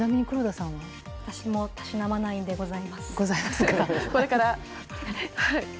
私もたしなまないんでございます。